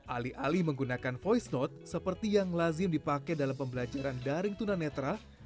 alih alih menggunakan voice note seperti yang lazim dipakai dalam pembelajaran daring tunanetra